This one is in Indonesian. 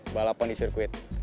balapan di sirkuit